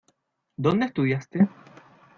¿Dónde estudiaste?